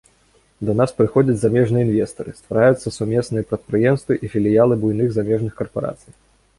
Да нас прыходзяць замежныя інвестары, ствараюцца сумесныя прадпрыемствы і філіялы буйных замежных карпарацый.